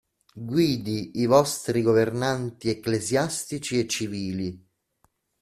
Guidi i vostri Governanti ecclesiastici e civili.